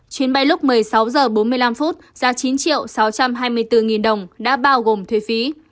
chuyến bay lúc một mươi sáu h bốn mươi năm giá chín triệu sáu trăm hai mươi bốn đồng đã bao gồm thuế phí